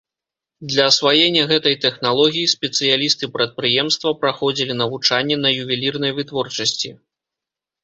Для асваення гэтай тэхналогіі спецыялісты прадпрыемства праходзілі навучанне на ювелірнай вытворчасці.